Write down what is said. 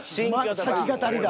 先語りだ。